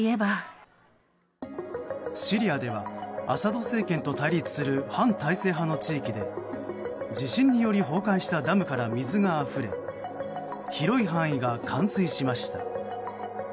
シリアでは、アサド政権と対立する反体制派の地域で地震により崩壊したダムから水があふれ広い範囲が冠水しました。